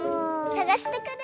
さがしてくる！